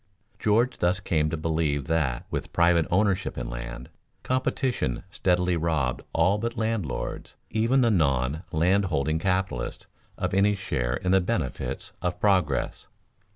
George thus came to believe that, with private ownership in land, competition steadily robbed all but landlords, even the non landholding capitalist, of any share in the benefits of progress.